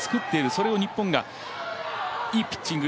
それを日本がいいピッチング